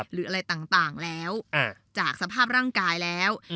หรืออะไรต่างแล้วจากสภาพร่างกายแล้ว